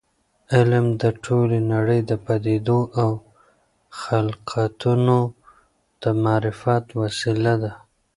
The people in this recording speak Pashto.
علم د ټولې نړۍ د پدیدو او خلقتونو د معرفت وسیله ده.